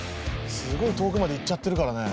すごい遠くまで行っちゃってるからね。